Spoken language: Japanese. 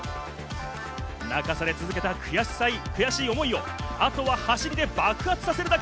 泣かされ続けた悔しい思いを後は走りで爆発させるだけ。